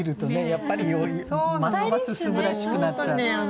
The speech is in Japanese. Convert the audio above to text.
やっぱりますます素晴らしくなっちゃう。